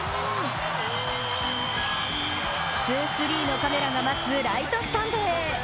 「２３」のカメラが待つライトスタンドへ。